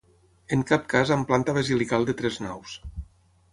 En cap cas amb planta basilical de tres naus.